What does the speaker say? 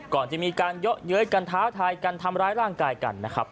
ก่อนจะมีการเยอะเย้ยกันท้าทายกันทำร้ายร่างกายกันนะครับ